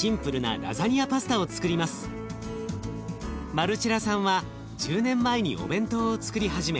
マルチェラさんは１０年前にお弁当をつくり始め